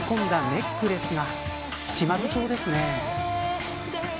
ネックレスが気まずそうですね。